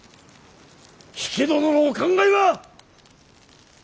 比企殿のお考えは！